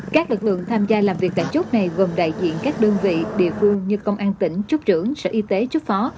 các lực lượng tham gia làm việc tại chốt này gồm đại diện các đơn vị địa phương như công an tỉnh trúc trưởng sở y tế chức phó